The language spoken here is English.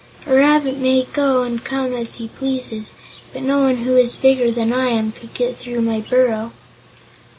A rabbit may go and come as he pleases, but no one who is bigger than I am could get through my burrow."